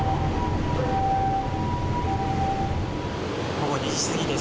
午後２時過ぎです。